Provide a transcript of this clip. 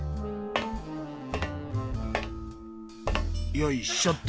よいしょっと。